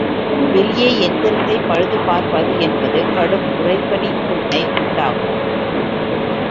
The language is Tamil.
வெளியே எந்திரத்தைப் பழுது பார்ப்பது என்பது கடும் உறைபனிப் புண்ணை உண்டாக்கும்.